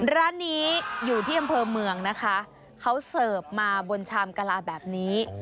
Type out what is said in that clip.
ร้านนี้อยู่ที่อำเภอเมืองนะคะเขาเสิร์ฟมาบนชามกะลาแบบนี้